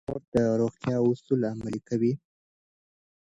مور د روغتیا اصول عملي کوي.